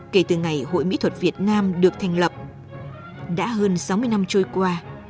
kể từ ngày hội mỹ thuật việt nam được thành lập đã hơn sáu mươi năm trôi qua